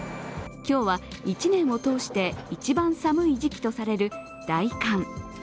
今日は１年を通して一番寒い時期とされる大寒。